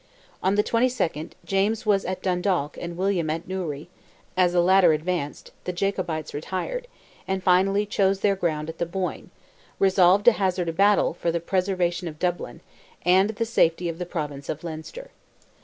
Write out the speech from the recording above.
On the 22nd, James was at Dundalk and William at Newry; as the latter advanced, the Jacobites retired, and finally chose their ground at the Boyne, resolved to hazard a battle, for the preservation of Dublin, and the safety of the province of Leinster.